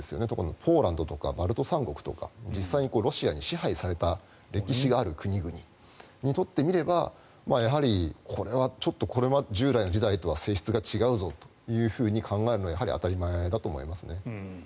特にポーランドとかバルト三国とか実際にロシアに支配された歴史がある国々にとってみればやはり、これはちょっと従来の事態とは性質が違うぞと考えるのはやはり当たり前だと思いますね。